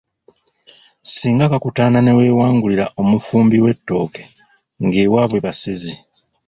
Singa kakutanda ne weewangulira omufumbi w’ettooke ng’ewaabwe basezi.